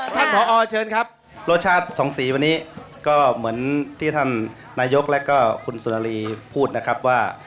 ท่านผอเชิญครับโลชาสองสีวันนี้ก็เหมือนที่ท่านนายกแล้วก็คุณสุนารีพูดนะครับว่า